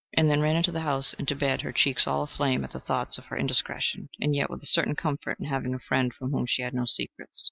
and then ran into the house and to bed, her cheeks all aflame at the thought of her indiscretion, and yet with a certain comfort in having a friend from whom she had no secrets.